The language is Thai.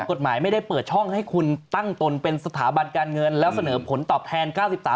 กฎหมายไม่ได้เปิดช่องให้คุณตั้งตนเป็นสถาบันการเงินแล้วเสนอผลตอบแทน๙๓